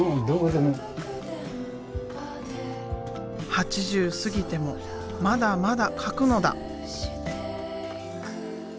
８０過ぎてもまだまだ描くのだ！